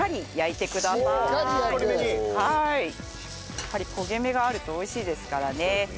やっぱり焦げ目があると美味しいですからね。